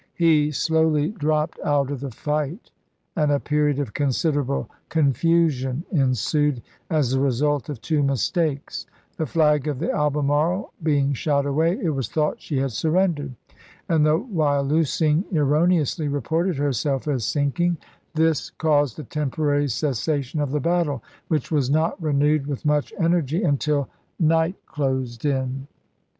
He slowly dropped out of the fight, and a period of considerable con fusion ensued, as the result of two mistakes ; the flag of the Albemarle being shot away, it was thought she had surrendered, and the Wyalusing erroneously reported herself as sinking; this caused a temporary cessation of the battle, which was not renewed with much energy until night closed in.